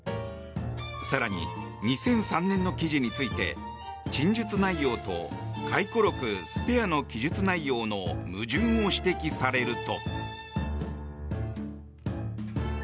更に、２００３年の記事について陳述内容と回顧録「スペア」の記述内容の矛盾を指摘されると。